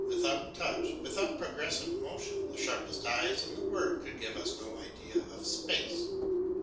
Without touch, without progressive motion, the sharpest eyes in the world could give us no idea of space.